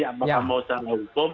apakah mau secara hukum